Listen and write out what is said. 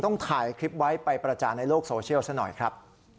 ต้องถ่ายคลิปไว้ไปประจานในโลกโซเชียลซะหน่อยครับ